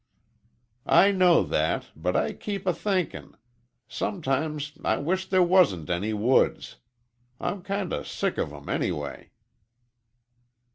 "I know that, but I keep a thinkin'. Sometimes I wisht there wasn't any woods. I'm kind o' sick of 'em, anyway."